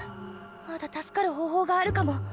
まだ助かる方法があるかも！